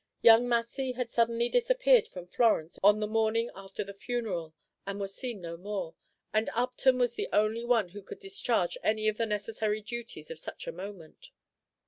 Young Massy had suddenly disappeared from Florence on the morning after the funeral, and was seen no more, and Upton was the only one who could discharge any of the necessary duties of such a moment.